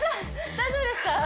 大丈夫ですか？